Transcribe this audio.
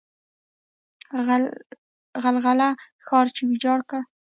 غلغله ښار چا ویجاړ کړ؟